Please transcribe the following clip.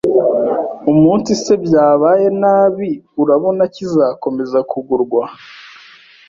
Umunsi se bwabaye nabi urabona kizakomeza kugurwa